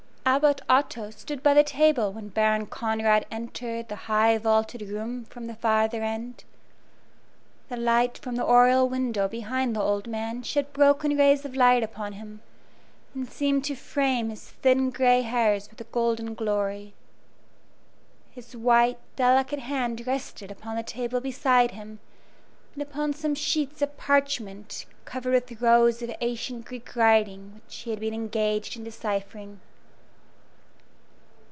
Abbot Otto stood by the table when Baron Conrad entered the high vaulted room from the farther end. The light from the oriel window behind the old man shed broken rays of light upon him, and seemed to frame his thin gray hairs with a golden glory. His white, delicate hand rested upon the table beside him, and upon some sheets of parchment covered with rows of ancient Greek writing which he had been engaged in deciphering.